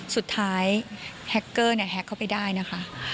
สุดท้ายแฮกเกอร์แฮคเข้าไปได้นะคะ